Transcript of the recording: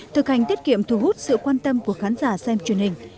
thực hành tiết kiệm thu hút sự quan tâm của khán giả xem truyền hình